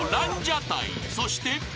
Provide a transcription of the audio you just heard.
［そして］